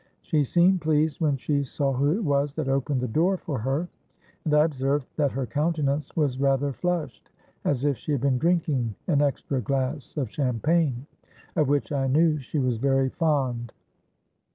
She seemed pleased when she saw who it was that opened the door for her; and I observed that her countenance was rather flushed, as if she had been drinking an extra glass of champagne, of which I knew she was very fond.